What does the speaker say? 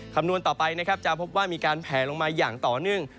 คำนวณต่อไปนะครับจะพบว่ามีการแผลลงมาอย่างต่อเนื่อง